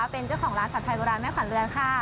เป็นเจ้าของร้านผัดไทยโบราณแม่ขวัญเรือนค่ะ